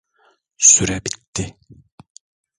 Süre bitti.